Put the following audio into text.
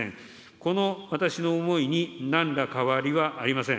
この私の思いになんら変わりはありません。